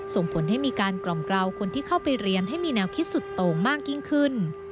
ส่งผลให้มีการกล่อมกราวคนที่เข้าไปเรียนให้มีแนวคิดสุดโต่งมากยิ่งขึ้น